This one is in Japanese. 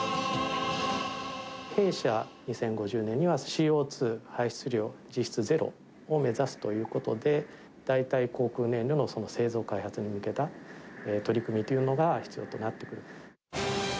弊社、２０５０年にはＣＯ２排出量、実質ゼロを目指すということで、代替航空燃料の製造開発に向けた取り組みというのが必要となってくると。